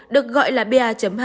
được gọi là pa hai